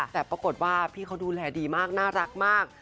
แต่ปรากฏว่าพี่เขาดูแลดีมากน่ารักมาก